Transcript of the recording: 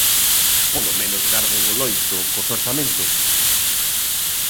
¡Polo menos garden o loito cos orzamentos!